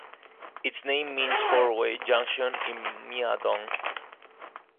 Its name means four-way junction in Mia-dong.